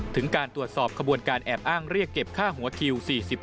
ถึงการตรวจสอบขบวนการแอบอ้างเรียกเก็บค่าหัวคิว๔๐